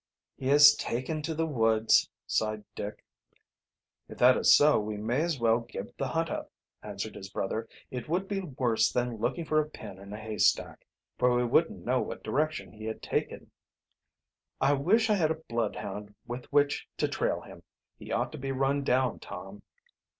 "He has taken to the woods," sighed Dick. "If that is so we may as well give the hunt up," answered his brother. "It would be worse than looking for a pin in a haystack, for we wouldn't know what direction he had taken." "I wish I had a bloodhound with which to trail him. He ought to be run down, Tom."